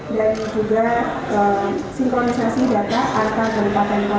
dan juga sinkronisasi data antar berupa perupa